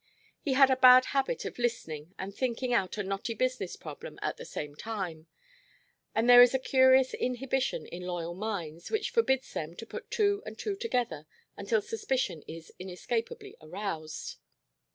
He had a bad habit of listening and thinking out a knotty business problem at the same time. And there is a curious inhibition in loyal minds which forbids them to put two and two together until suspicion is inescapably aroused.